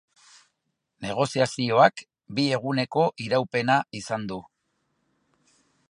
Negoziazioak bi eguneko iraupena izan du.